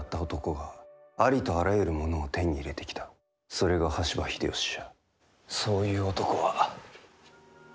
それが羽柴秀吉じゃ。